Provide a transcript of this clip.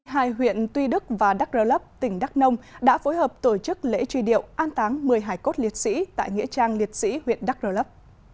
hai huyện tuy đức và đắk rơ lấp tỉnh đắk nông đã phối hợp tổ chức lễ truy điệu an táng một mươi hải cốt liệt sĩ tại nghĩa trang liệt sĩ huyện đắk rơ lấp